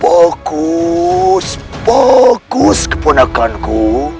bagus bagus keponakanku